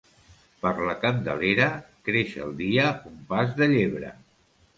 Per la Candelera, creix el dia un pas de llebre.